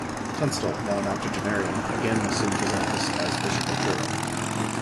Tunstall, now an octogenarian, again assumed his office as Bishop of Durham.